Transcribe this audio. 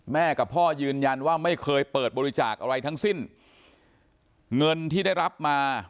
กับพ่อยืนยันว่าไม่เคยเปิดบริจาคอะไรทั้งสิ้นเงินที่ได้รับมา